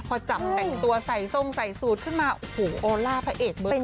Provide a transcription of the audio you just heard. พอจับแต่งตัวใส่ทรงใส่สูตรขึ้นมาโอ้โหออลล่าพระเอกเบอร์หนึ่ง